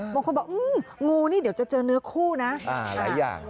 บางคนบอกงูนี่เดี๋ยวจะเจอเนื้อคู่นะหลายอย่าง